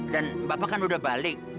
dan bapak kan udah balik